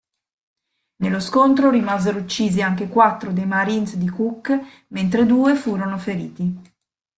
Nello scontro rimasero uccisi anche quattro dei marines di Cook mentre due furono feriti.